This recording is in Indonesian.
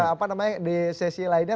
apa namanya di sesi lainnya